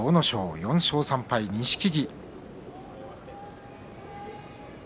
４勝３敗の錦木。